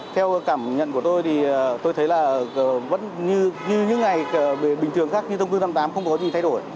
theo cảm nhận của tôi tôi thấy như những ngày bình thường khác như thông tư hai mươi tám không có gì thay đổi